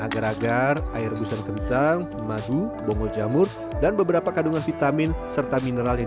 agar agar air rebusan kencang madu bonggol jamur dan beberapa kandungan vitamin serta mineral yang